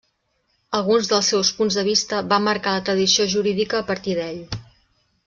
Alguns dels seus punts de vista van marcar la tradició jurídica a partir d'ell.